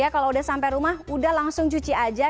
kalau sudah sampai rumah sudah langsung cuci saja